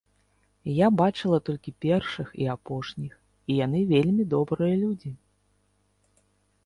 Я бачыла толькі першых і апошніх, і яны вельмі добрыя людзі.